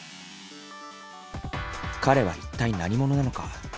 彼は一体何者なのか。